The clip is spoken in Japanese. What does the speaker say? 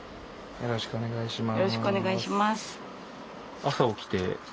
よろしくお願いします。